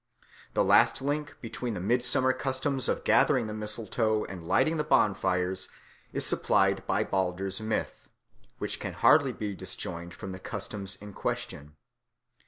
The last link between the midsummer customs of gathering the mistletoe and lighting the bonfires is supplied by Balder's myth, which can hardly be disjoined from the customs in question.